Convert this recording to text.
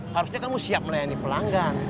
harusnya kamu siap melayani pelanggan